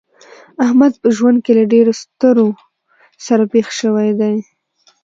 احمد په ژوند کې له ډېرو ستړو سره پېښ شوی دی.